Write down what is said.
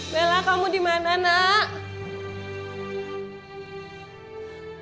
bella kamu dimana nak